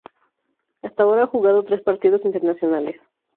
Hasta ahora ha jugado tres partidos internacionales.